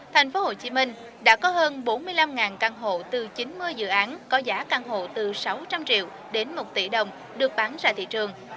tp hcm đã có hơn bốn mươi năm căn hộ từ chín mươi dự án có giá căn hộ từ sáu trăm linh triệu đến một tỷ đồng được bán ra thị trường